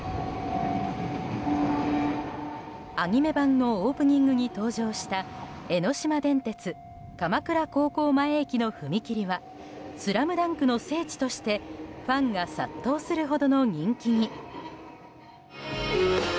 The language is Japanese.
アニメ版のオープニングに登場した江ノ島電鉄鎌倉高校前駅の踏切は「ＳＬＡＭＤＵＮＫ」の聖地としてファンが殺到するほどの人気に。